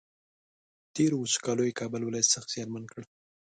تېرو وچکالیو کابل ولایت سخت زیانمن کړ